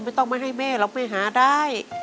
ไม่ต้องมาให้แม่เราไปหาได้